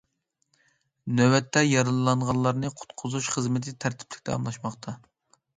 نۆۋەتتە يارىلانغانلارنى قۇتقۇزۇش خىزمىتى تەرتىپلىك داۋاملاشماقتا.